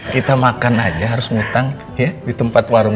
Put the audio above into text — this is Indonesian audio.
kita makan aja harus ngutang di tempat warung